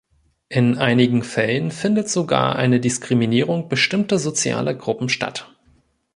In einigen Fällen findet sogar eine Diskriminierung bestimmter sozialer Gruppen statt.